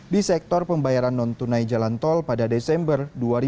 di sektor pembayaran non tunai jalan tol pada desember dua ribu dua puluh